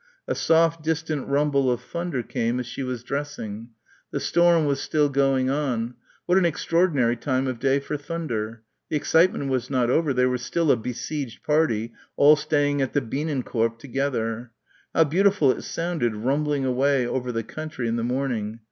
A soft distant rumble of thunder came as she was dressing.... The storm was still going on ... what an extraordinary time of day for thunder ... the excitement was not over ... they were still a besieged party ... all staying at the Bienenkorb together.... How beautiful it sounded rumbling away over the country in the morning.